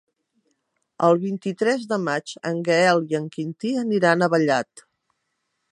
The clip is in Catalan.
El vint-i-tres de maig en Gaël i en Quintí aniran a Vallat.